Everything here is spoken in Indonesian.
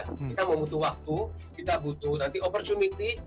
kita membutuh waktu kita butuh nanti opportunity